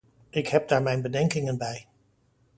Ik heb daar mijn bedenkingen bij.